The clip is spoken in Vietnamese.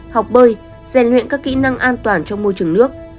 học bơi rèn luyện các kỹ năng an toàn trong môi trường nước